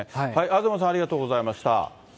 東さん、ありがとうございました。